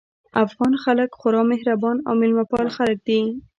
افغان خلک خورا مهربان او مېلمه پال خلک دي